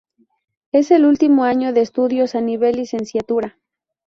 Es el último año de estudios a nivel licenciatura.